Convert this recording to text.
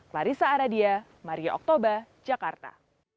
clarissa aradia maria oktober jakarta